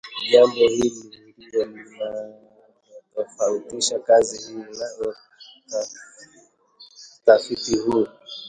Jambo hili ndilo linalotofautisha kazi hii na utafiti huu